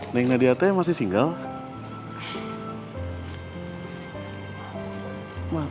neng nadia te masih single